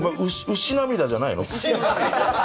牛涙じゃないの？